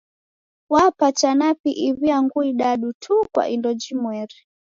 Wapata napi iw'i angu idadu tu kwa indo jimweri.